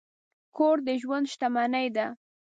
کور د ژوند شتمني ده.